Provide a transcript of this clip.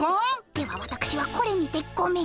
ではわたくしはこれにてごめん！